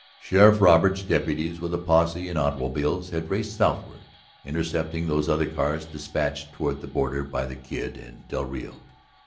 Sheriff Roberts's deputies with a posse in automobiles had raced southward, intercepting those other cars despatched toward the border by the Kid and del Rio.